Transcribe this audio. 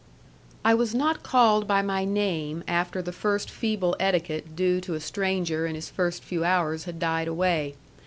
I was not called by my name after the first feeble etiquette due to a stranger in his first few hours had died away.